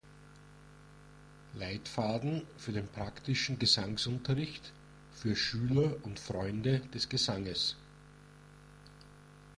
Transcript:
Leitfaden für den praktischen Gesangsunterricht für Schüler und Freunde des Gesanges.